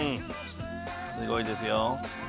「すごいですよ」